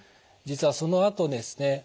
実はそのあとですね